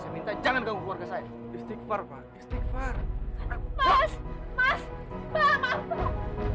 minta jangan keluarga saya istighfar istighfar mas mas